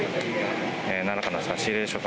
何かの差し入れでしょうか